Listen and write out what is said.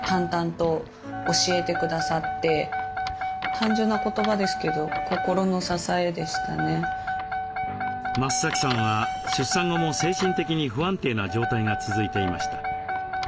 単純な言葉ですけど増さんは出産後も精神的に不安定な状態が続いていました。